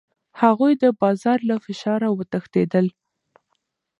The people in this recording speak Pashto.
هغوی د بازار له فشاره وتښتېدل.